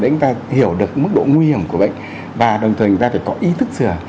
để chúng ta hiểu được mức độ nguy hiểm của bệnh và đồng thời người ta phải có ý thức sửa